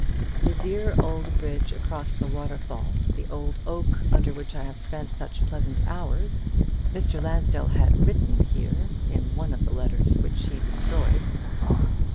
("The dear old bridge across the waterfall, the old oak under which I have spent such pleasant hours," Mr. Lansdell had written here in one of the letters which he destroyed.)